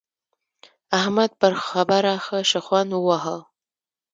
احمد پر خبره ښه شخوند وواهه.